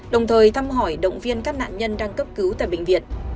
đồng thời thăm hỏi động viên các nạn nhân đang cấp cứu tại bệnh viện